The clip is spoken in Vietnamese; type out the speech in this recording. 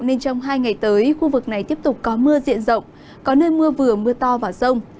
nên trong hai ngày tới khu vực này tiếp tục có mưa diện rộng có nơi mưa vừa mưa to và rông